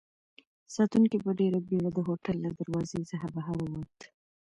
ساتونکی په ډېرې بېړه د هوټل له دروازې څخه بهر ووت.